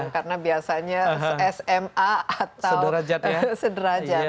karena biasanya sma atau sederajat